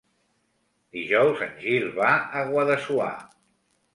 Dijous en Gil va a Guadassuar.